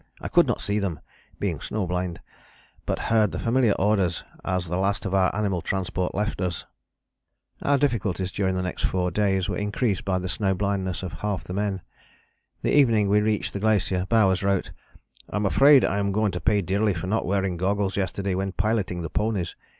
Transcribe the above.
I could not see them (being snow blind), but heard the familiar orders as the last of our animal transport left us." Our difficulties during the next four days were increased by the snow blindness of half the men. The evening we reached the glacier Bowers wrote: "I am afraid I am going to pay dearly for not wearing goggles yesterday when piloting the ponies.